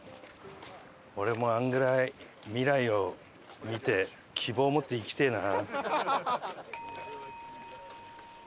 俺もあれぐらい未来を見て希望を持って生きてえな。